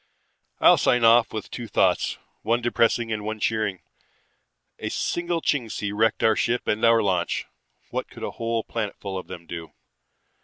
"I'll sign off with two thoughts, one depressing and one cheering. A single Chingsi wrecked our ship and our launch. What could a whole planetful of them do?